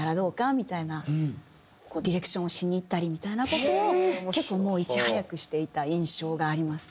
みたいなディレクションをしに行ったりみたいな事を結構いち早くしていた印象がありますね。